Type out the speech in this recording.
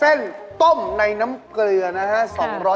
โอ้โฮไม่ได้เก่ง